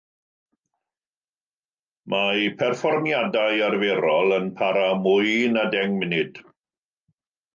Mae perfformiadau arferol yn para mwy na deng munud.